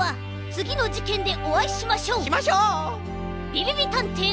びびびたんてい